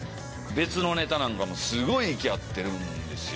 別のネタなんかもすごい息合ってるんですよ。